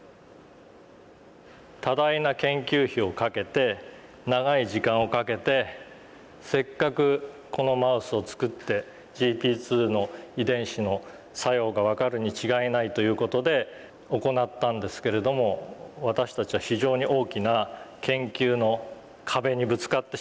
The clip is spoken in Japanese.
多大な研究費をかけて長い時間をかけてせっかくこのマウスを作ってＧＰ２の遺伝子の作用が分かるに違いないという事で行ったんですけれども私たちは非常に大きな研究の壁にぶつかってしまったわけですね。